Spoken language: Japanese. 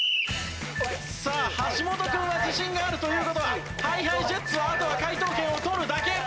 さあ橋本君は自信があるという事はＨｉＨｉＪｅｔｓはあとは解答権を取るだけ。